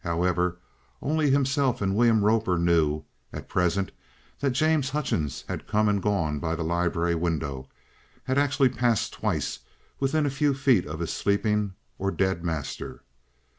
However, only himself and William Roper knew, at present, that James Hutchings had come and gone by the library window, had actually passed twice within a few feet of his sleeping, or dead, master.